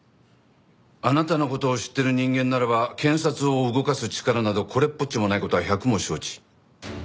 あなたの事を知ってる人間ならば検察を動かす力などこれっぽっちもない事は百も承知。